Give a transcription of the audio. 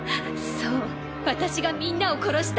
そう私がみんなを殺した。